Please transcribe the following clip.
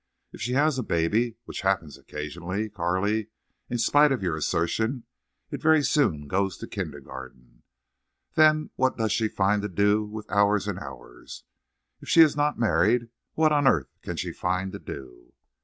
If she has a baby—which happens occasionally, Carley, in spite of your assertion—it very soon goes to the kindergarten. Then what does she find to do with hours and hours? If she is not married, what on earth can she find to do?"